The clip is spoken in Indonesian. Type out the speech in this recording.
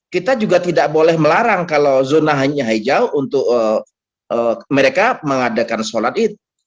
kita juga tidak boleh melarang kalau zonanya hijau untuk mereka mengadakan sholat itu